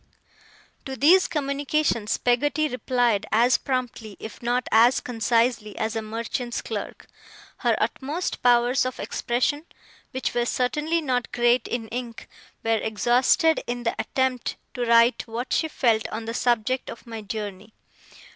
To these communications Peggotty replied as promptly, if not as concisely, as a merchant's clerk. Her utmost powers of expression (which were certainly not great in ink) were exhausted in the attempt to write what she felt on the subject of my journey.